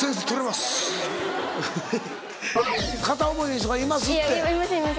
「片思いの人がいます」って。